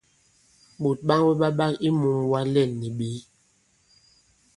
Ɓòt ɓaŋwɛ ɓa ɓak i mūŋwa lɛ᷇n nì ɓě?